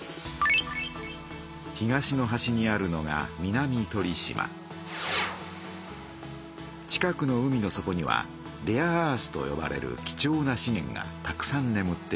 東のはしにあるのが近くの海の底にはレアアースとよばれるき重なしげんがたくさんねむっています。